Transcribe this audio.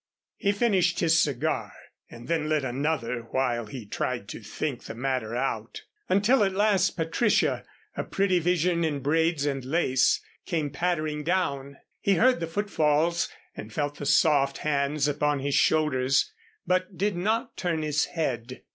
He finished his cigar and then lit another while he tried to think the matter out, until, at last, Patricia, a pretty vision in braids and lace, came pattering down. He heard the footfalls and felt the soft hands upon his shoulders, but did not turn his head.